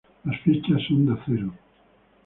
Las fichas son de acero.